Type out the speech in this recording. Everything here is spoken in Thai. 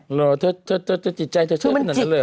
เหรอเธอจะจิตใจเธอเชื่ออย่างนั้นเลยหรือ